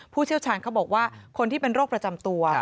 เชี่ยวชาญเขาบอกว่าคนที่เป็นโรคประจำตัว